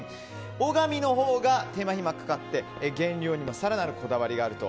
小神のほうが手間暇かかって原料にも更なるこだわりがあると。